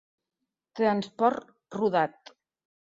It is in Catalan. Transport rodat.